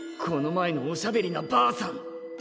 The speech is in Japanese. この前のおしゃべりなばあさん！